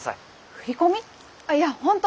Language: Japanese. あいや本当